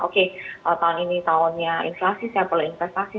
oke tahun ini tahunnya inflasi saya perlu investasi